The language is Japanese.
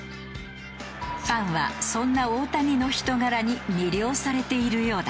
ファンはそんな大谷の人柄に魅了されているようだ。